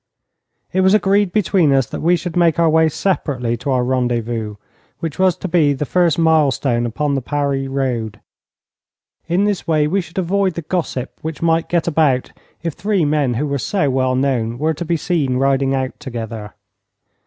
It was agreed between us that we should make our way separately to our rendezvous, which was to be the first mile stone upon the Paris road. In this way we should avoid the gossip which might get about if three men who were so well known were to be seen riding out together.